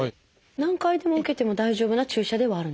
何回でも受けても大丈夫な注射ではあるんですか？